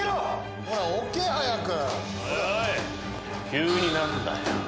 急に何だよ？